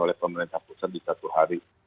oleh pemerintah pusat di satu hari